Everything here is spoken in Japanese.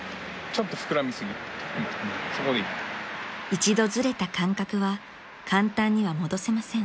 ［一度ずれた感覚は簡単には戻せません］